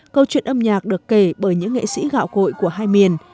câu chuyện âm nhạc được kể bởi những nghệ sĩ gạo cội của hai miền